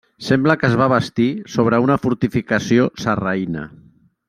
Sembla que es va bastir sobre una fortificació sarraïna.